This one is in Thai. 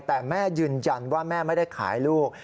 แต่แม่ยืนยันว่าแม่ไม่ได้ขายลูก